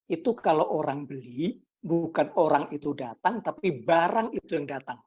itu kalau orang beli bukan orang itu datang tapi barang itu yang datang